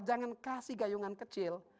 jangan kasih gayungan kecil